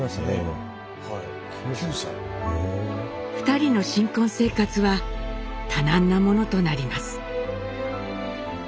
２人の新婚生活は多難なものとなります。